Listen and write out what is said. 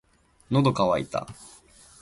喉乾いた